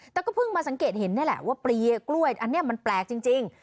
แต่ก็เพิ่งมาสังเกตเห็นนี่แหละว่าเปลียกล้วยอันนี้มันแปลกจริง